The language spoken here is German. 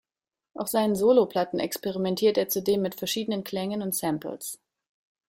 Auf seinen Soloplatten experimentiert er zudem mit verschiedenen Klängen und Samples.